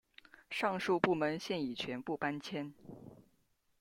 上述部门现已全部搬迁。